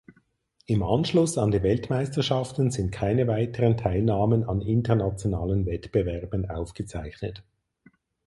Im Anschluss an die Weltmeisterschaften sind keine weiteren Teilnahmen an internationalen Wettbewerben aufgezeichnet.